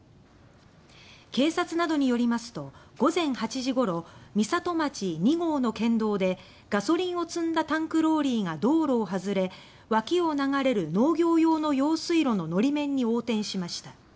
警察などによりますと午前８時ごろ美里町二郷の県道でガソリンを積んだタンクローリーが道路をはずれ脇を流れる農業用の用水路ののり面に横転しました。